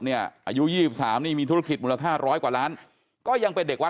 อายุ๒๓นี่มีธุรกิจมูลค่าร้อยกว่าล้านก็ยังเป็นเด็กวัด